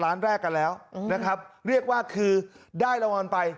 ล้านแรกกันแล้วนะครับเรียกว่าคือได้รางวัลไป